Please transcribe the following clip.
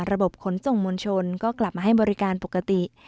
ระบบขนส่งมวลชนก็กลับมาให้บริการปกติ